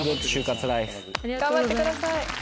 頑張ってください。